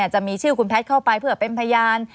จะมีชื่อคุณแพทย์เข้าไปเพื่อเป็นพยาน